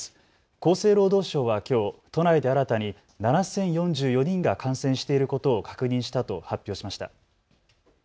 厚生労働省はきょう都内で新たに７０４４人が感染していることを確認したと発表しました。